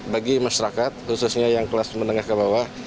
bagi masyarakat khususnya yang kelas menengah ke bawah